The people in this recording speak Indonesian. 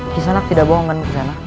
kisah nak tidak bohong kan kisah nak